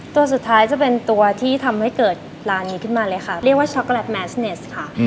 ตัวสุดท้ายจะเป็นตัวที่ทำให้เกิดร้านนี้ขึ้นมาเลยค่ะเรียกว่าช็อกโกแลตแมสเนสค่ะ